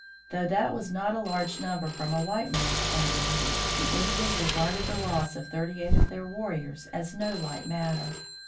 Though that was not a large number from a white man's point of view, the Indians regarded the loss of thirty eight of their warriors as no light matter.